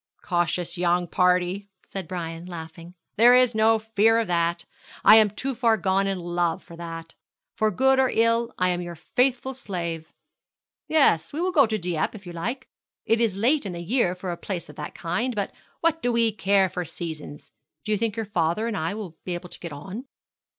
'Cautious young party,' said Brian, laughing. 'There is no fear of that. I am too far gone in love for that. For good or ill I am your faithful slave. Yes, we will go to Dieppe if you like. It is late in the year for a place of that kind; but what do we care for seasons? Do you think your father and I will be able to get on?'